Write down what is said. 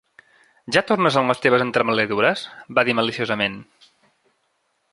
"Ja tornes amb les teves entremaliadures?", va dir maliciosament.